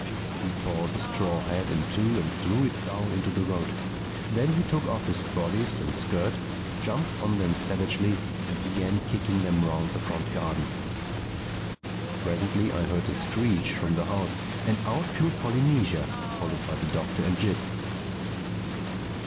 He tore the straw hat in two and threw it down into the road. Then he took off his bodice and skirt, jumped on them savagely and began kicking them round the front garden. Presently I heard a screech from the house, and out flew Polynesia, followed by the Doctor and Jip.